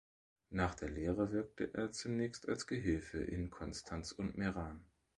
Nach der Lehre wirkte er zunächst als Gehilfe in Konstanz und Meran.